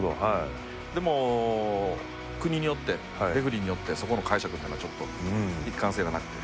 でも、国によってレフリーによってそこの解釈ってのは、ちょっと一貫性がなくて。